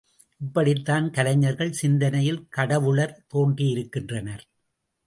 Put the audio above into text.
இப்படித்தான் கலைஞர்கள் சிந்தனையில் கடவுளர் தோன்றியிருக்கின்றனர்.